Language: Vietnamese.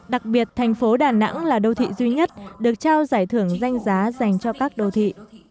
đặc biệt thành phố đà nẵng là đô thị duy nhất được trao giải thưởng danh giá dành cho các đô thị